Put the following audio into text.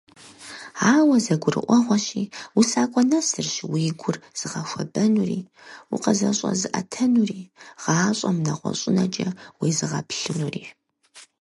Ауэ, зэрыгурыӀуэгъуэщи, усакӀуэ нэсырщ уи гур зыгъэхуэбэнури, укъызэщӀэзыӀэтэнури, гъащӀэм нэгъуэщӀынэкӀэ уезыгъэплъынури.